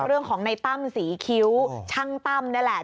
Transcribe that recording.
เรื่องของในตั้มศรีคิ้วช่างตั้มนี่แหละ